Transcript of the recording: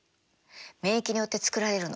免疫によって作られるの。